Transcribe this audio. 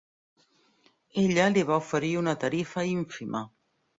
Ella li va oferir una tarifa ínfima.